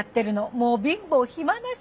もう貧乏暇なし。